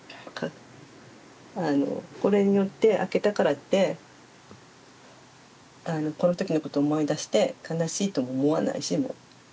これによって開けたからってこのときのことを思い出して悲しいとも思わないしもう。